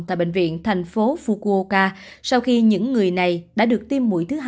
tại bệnh viện thành phố fukuoka sau khi những người này đã được tiêm mũi thứ hai